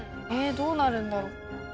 どうなるんだろう？